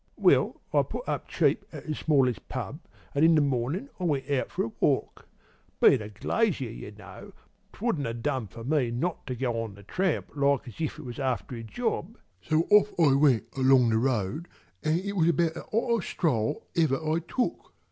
"'Well, I put up cheap at the smallest pub, an' in the mornin' I went out for a walk. Bein' a glazier, ye see, 'twouldn't 'a done for me not to go on the tramp like as if it was after a job. So off I went along the road, an' it was about the 'ottest stroll ever I took.